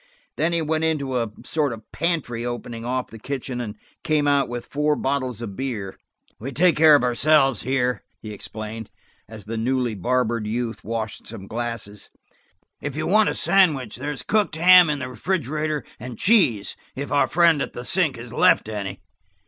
Then he went into a sort of pantry opening off the kitchen and came out with four bottles of beer. "We take care of ourselves here," he explained, as the newly barbered youth washed some glasses. "If you want a sandwich, there is cooked ham in the refrigerator and cheese–if our friend at the sink has left any."